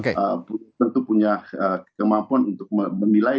tentu punya kemampuan untuk menilai